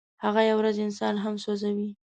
هغه یوه ورځ انسان هم سوځوي.